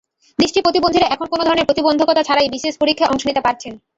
দৃষ্টি প্রতিবন্ধীরা এখন কোনো ধরনের প্রতিবন্ধকতা ছাড়াই বিসিএস পরীক্ষায় অংশ নিতে পারছেন।